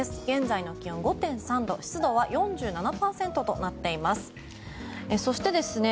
現在の気温５．３度湿度は４７％となっています。